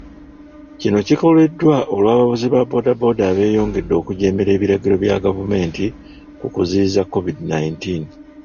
Kino kikoleddwa olw'abavuzi ba boda boda abeeyongedde okujeemera ebiragiro bya gavumenti ku kuziyiza COVID nineteen